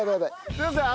すいません。